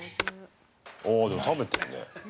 お、でも食べてるね。